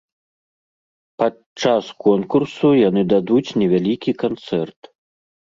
Падчас конкурсу яны дадуць невялікі канцэрт.